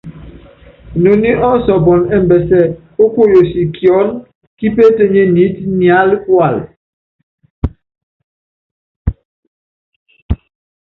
Inoní ɔsɔɔpɔn ɛmbɛsɛ o kuoyosi kiɔ́n kipeetenyé niít niálɛ́kualɛ.